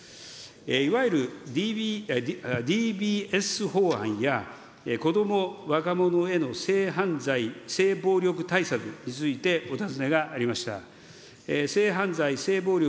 いわゆるＤＢＳ法案や、こども・若者への性犯罪、性暴力対策についてお尋ねがありました。